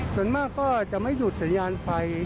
ส่วนมากก็จะไม่หยุดสัญญาณไฟ